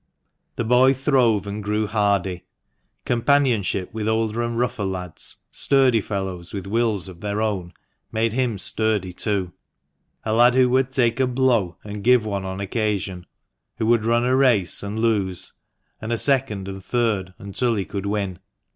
The boy throve and grew hardy. Companionship with older and rougher lads, sturdy fellows with wills of their own, made him sturdy too ; a lad who would take a blow and give one on occasion ; who would run a race and lose, and a second, and third, until he could win.